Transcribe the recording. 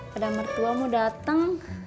padahal mertuamu datang